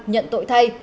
nhận tội thay